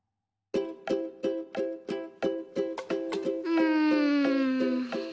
うん。